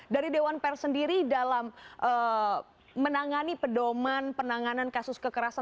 dari dewan pers sendiri dalam menangani pedoman penanganan kasus kekerasan